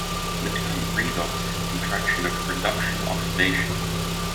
The term "redox" is a contraction of "reduction-oxidation".